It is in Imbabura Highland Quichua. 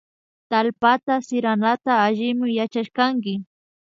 Tallpata siranata allimi yachashkanki